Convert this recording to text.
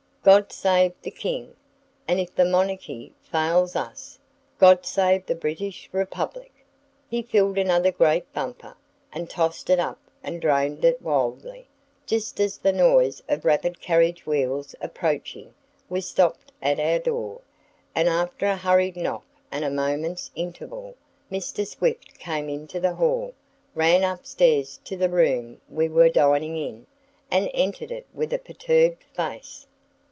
God save the King! and, if the monarchy fails us, God save the British Republic!" He filled another great bumper, and tossed it up and drained it wildly, just as the noise of rapid carriage wheels approaching was stopped at our door, and after a hurried knock and a moment's interval, Mr. Swift came into the hall, ran up stairs to the room we were dining in, and entered it with a perturbed face.